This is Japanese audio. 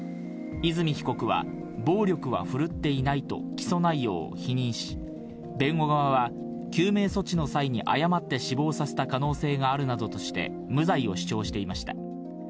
伊住被告は、暴力は振るっていないと起訴内容を否認し、弁護側は、救命措置の際に、誤って死亡させた可能性があるなどとして、無罪を主張していました。